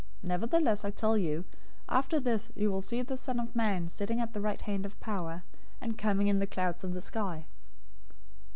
Nevertheless, I tell you, after this you will see the Son of Man sitting at the right hand of Power, and coming on the clouds of the sky."